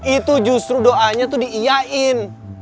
itu justru doanya itu diiyain